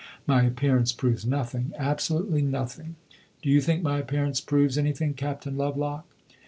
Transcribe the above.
My appearance proves nothing absolutely nothing. Do you think my appearance proves anything, Captain Lovelock?"